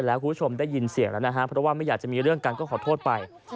แล้วคุณผู้ชมได้ยินเสียงแล้วนะฮะเพราะว่าไม่อยากจะมีเรื่องกันก็ขอโทษไป